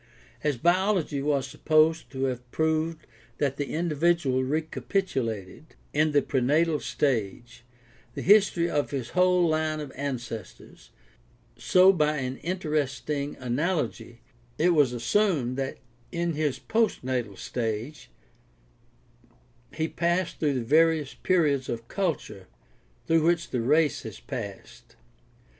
As biology was sup posed to have proved that the individual recapitulated, in the prenatal stage, the history of his whole line of ancestors, so by an interesting analogy it was assumed that in his postnatal stage he passed through the various periods of culture through which the race has passed.